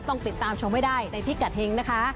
ต้องติดตามชมให้ได้ในพิกัดเฮงนะคะ